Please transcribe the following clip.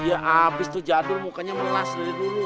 iya abis itu jadul mukanya melelah sendiri dulu